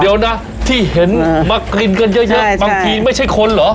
เดี๋ยวนะที่เห็นมากินกันเยอะเยอะใช่ใช่บางทีไม่ใช่คนเหรอ